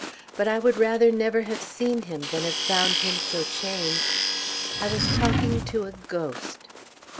But I would rather never have seen him than have found him so changed. I was talking to a ghost.